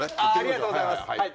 ありがとうございます。